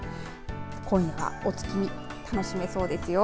今夜、お月見楽しめそうですよ。